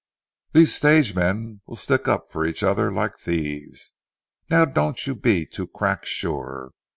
These stage men will stick up for each other like thieves. Now, don't you be too crack sure.